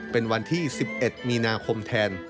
เป็นวันที่๑๑มีนาคมแทน